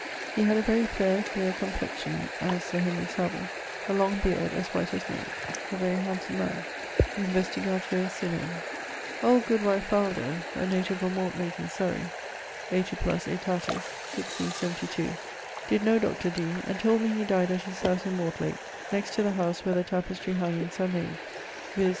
He had a very fair, clear complexione (as Sir Henry Savile); a long beard as white as milke. A very handsome man. Investigatio cinerum △ Old goodwife Faldo[DR] (a natif of Mortlak in Surrey), 80+ aetatis (1672), did know Dr. Dee, and told me he dyed at his howse in Mortlack, next to the howse where the tapistry hangings are made, viz.